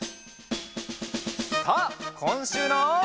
さあこんしゅうの。